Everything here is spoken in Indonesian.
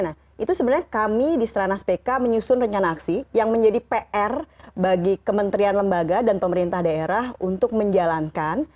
nah itu sebenarnya kami di serana spk menyusun rencana aksi yang menjadi pr bagi kementerian lembaga dan pemerintah daerah untuk menjalankan